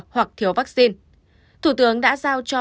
hoặc thiếu vaccine thủ tướng đã giao cho